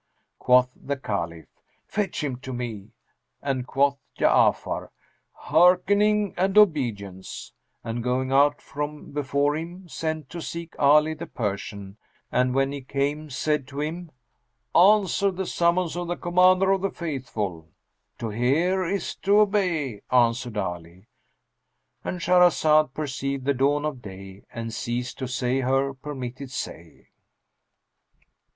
Quoth the Caliph, "Fetch him to me," and quoth Ja'afar, "Hearkening and obedience;" and, going out from before him, sent to seek Ali the Persian and when he came said to him, "Answer the summons of the Commander of the Faithful." "To hear is to obey," answered Ali;—And Shahrazad perceived the dawn of day and ceased to say her permitted say.